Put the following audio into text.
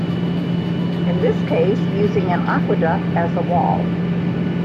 In this case using an aqueduct as a wall.